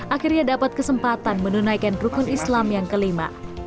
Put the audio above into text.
akhirnya dapat kesempatan menunaikan rukun islam yang kelima